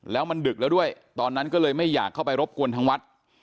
แล้วมันดึกแล้วด้วยตอนนั้นก็เลยไม่อยากเข้าไปรบกวนทางวัด